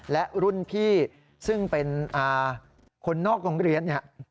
และรุ่นพี่ซึ่งเป็นคนนอกโรงเรียนเนี่ย